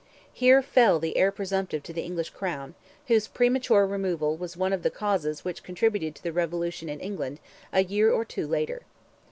Here fell the Heir Presumptive to the English crown, whose premature removal was one of the causes which contributed to the revolution in England, a year or two later.